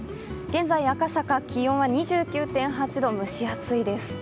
現在、赤坂、気温は２９．８度、蒸し暑いです。